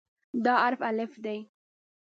دا حرف "الف" دی.